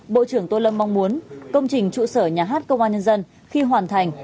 bộ trưởng tô lâm mong muốn công trình trụ sở nhà hát công an nhân dân khi hoàn thành